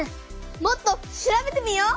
もっと調べてみよう！